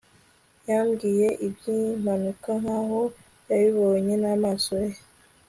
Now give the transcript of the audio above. yambwiye iby'impanuka nkaho yabibonye n'amaso ye